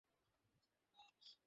ওই শব্দটা আমাকে কষ্ট দেয়।